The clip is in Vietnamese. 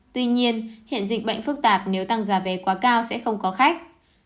tuy nhiên hiện dịch bệnh phức tạp nếu tăng giá vé quá cao sẽ không có khách